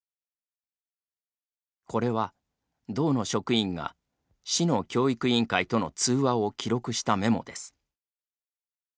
これは、道の職員が市の教育委員会との通話を記録したメモです。